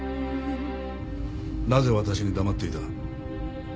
なぜ私に黙っていた？